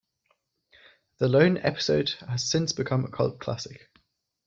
The lone episode has since become a cult classic.